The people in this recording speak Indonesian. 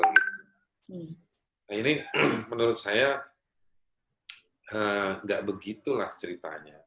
nah ini menurut saya nggak begitulah ceritanya